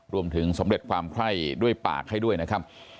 สำเร็จความไคร้ด้วยปากให้ด้วยนะครับ